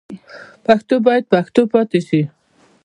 پښتو باید پښتو پاتې شي.